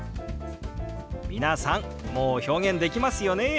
皆さんもう表現できますよね。